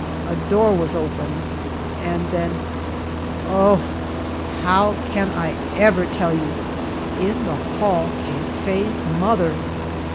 A door was opened, and then oh! how can I ever tell you in the hall came Faye's mother!